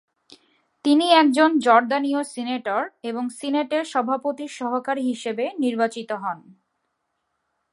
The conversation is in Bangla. তিনি একজন জর্দানীয় সিনেটর এবং সিনেটের সভাপতির সহকারী হিসাবে নির্বাচিত হন।